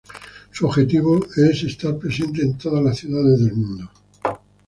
Su objetivo es estar presente en todas las ciudades del mundo.